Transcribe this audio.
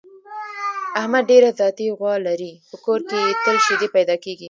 احمد ډېره ذاتي غوا لري، په کور کې یې تل شیدې پیدا کېږي.